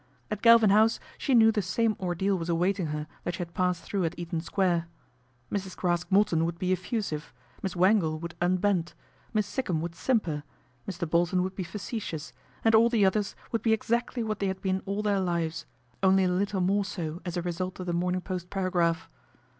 At Galvin House she knew the same ordeal was awaiting her that she had passed through at Eaton Square. Mrs. Craske Morton would be effusive, Miss Wangle would unbend, Miss Sikkum would simper, Mr. Bolton would be facetious, and all the others would be exactly what they had been all their lives, only a little more so as a result of The Morning Post paragraph.